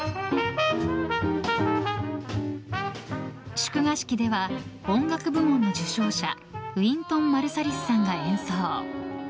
祝賀式では音楽部門の受賞者ウィントン・マルサリスさんが演奏。